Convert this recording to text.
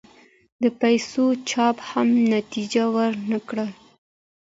د پیسو چاپ هم نتیجه ور نه کړه.